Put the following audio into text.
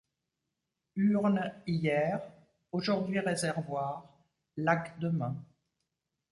Urne hier, aujourd’hui réservoir, lac demain